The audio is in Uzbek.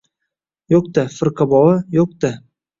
— Yo‘q-da, firqa bova, yo‘q-da.